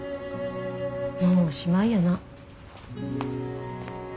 もうおしまいやな。